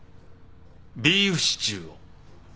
ビーフシチューを。